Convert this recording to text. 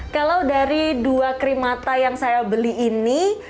kalau dari dua krim mata yang saya beli ini